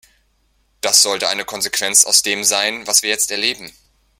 Das sollte eine Konsequenz aus dem sein, was wir jetzt erleben.